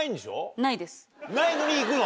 ないのに行くの？